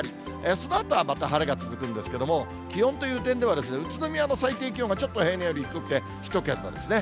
そのあとはまた晴れが続くんですけれども、気温という点ではですね、宇都宮の最低気温がちょっと平年より低くて１桁ですね。